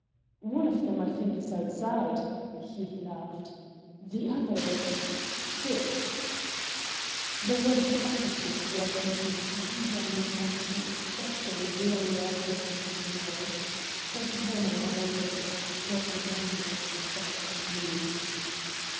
"One of them, I think, is outside" here he laughed; "the other is sick." The way he uttered this word made me set him down as one to be especially wary of when he smiled. But then I had already passed judgment on him at my first view.